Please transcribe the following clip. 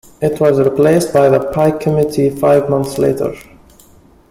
It was replaced by the Pike Committee five months later.